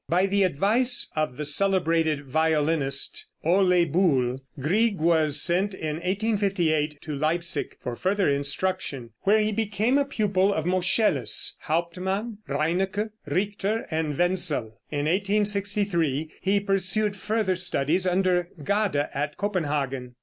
By the advice of the celebrated violinist, Ole Bull, Grieg was sent in 1858 to Leipsic for further instruction, where he became a pupil of Moscheles, Hauptmann, Reinecke, Richter and Wenzel. In 1863 he pursued further studies under Gade at Copenhagen.